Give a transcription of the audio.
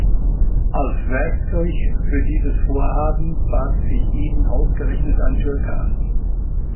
Als Werkzeug für dieses Vorhaben bat sich ihnen ausgerechnet ein Türke an.